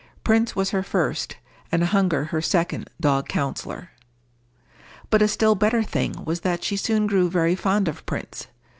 Prince was her first, and Hunger her second dog counsellor. But a still better thing was that she soon grew very fond of Prince.